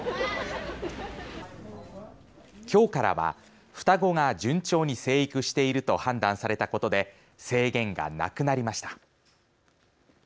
きょうからは双子が順調に成育していると判断されたことで制限がなくなりました。